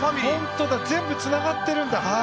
本当だ全部つながってるんだ。